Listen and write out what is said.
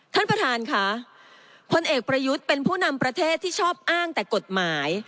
ท่านประธานค่ะพลเอกประยุทธ์เป็นผู้นำประเทศที่ชอบอ้างแต่กฎหมาย